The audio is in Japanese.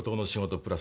プラス